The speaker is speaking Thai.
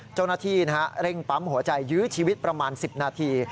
เจ้าหน้าที่เร่งปั๊มหัวใจยื้อชีวิตประมาณ๑๐นาที